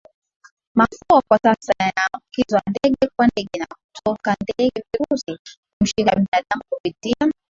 Mafua kwa sasa yanaambukizwa ndege kwa ndege na kutoka ndege virusi humshika binadamu kupitia